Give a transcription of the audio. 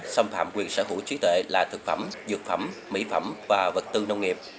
xâm phạm quyền sở hữu trí tuệ là thực phẩm dược phẩm mỹ phẩm và vật tư nông nghiệp